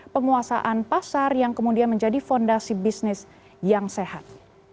penguasaan pasar yang kemudian menjadi fondasi bisnis yang sehat